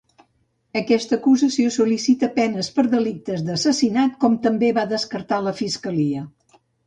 Aquesta acusació sol·licita penes per delictes d'assassinat, com també va descartar la Fiscalia.